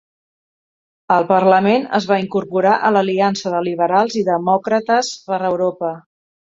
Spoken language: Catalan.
Al parlament es va incorporar a l'Aliança de Liberals i Demòcrates per Europa.